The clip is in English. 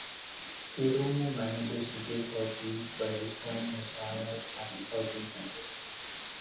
Hiromu manages to give her peace by destroying Messiah at her behest.